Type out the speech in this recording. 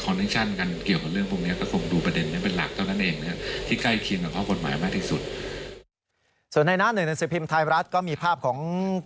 กรณีนี้ทางด้านของประธานกรกฎาได้ออกมาพูดแล้ว